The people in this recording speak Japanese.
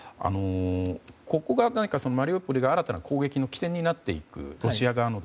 マリウポリが新たな攻撃の起点になっていく、ロシア側の。